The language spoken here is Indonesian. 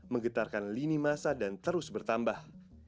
menggetarkan lini masa dan terus bertambah